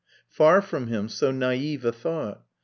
Far from him so naive a thought!